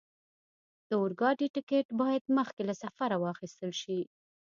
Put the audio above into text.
د اورګاډي ټکټ باید مخکې له سفره واخستل شي.